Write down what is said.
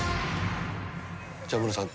じゃムロさん。